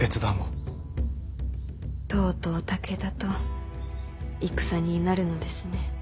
とうとう武田と戦になるのですね。